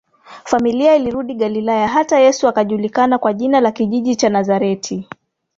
Familia ilirudi Galilaya hata Yesu akajulikana kwa jina la kijiji cha Nazareti